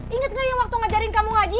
ingat nggak yang waktu ngajarin kamu ngaji